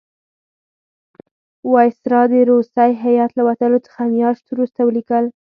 وایسرا د روسی هیات له وتلو څه میاشت وروسته ولیکل.